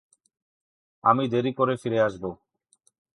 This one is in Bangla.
আমি দেরি করে ফিরে আসবো।